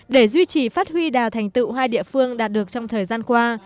để duy trì phát huy đào thành tựu hai địa phương đạt được trong thời gian qua